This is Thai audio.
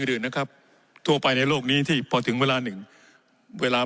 อื่นนะครับทั่วไปในโลกนี้ที่พอถึงเวลาหนึ่งเวลา